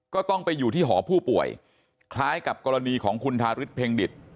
ก็ต้องไปอยู่ที่หอผู้ป่วยคล้ายกับกรณีของคุณทาริสเพ็งดิต